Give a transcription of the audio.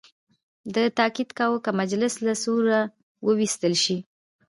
ده تاکید کاوه که مجلس له سوره وویستل شي.